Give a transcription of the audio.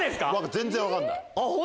全然分からない。